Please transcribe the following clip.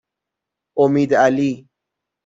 امیدعلی